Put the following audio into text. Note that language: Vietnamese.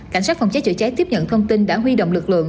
cảnh sát phòng cháy chữa cháy tiếp nhận thông tin đã huy động lực lượng